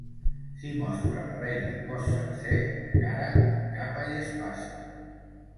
S'hi mostra el rei de cos sencer, de cara, amb capa i espasa.